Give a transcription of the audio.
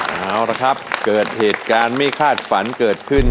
เอาละครับเกิดเหตุการณ์ไม่คาดฝันเกิดขึ้น